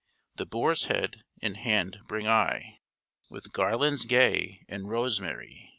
The boar's head in hand bring I, With garlands gay and rosemary.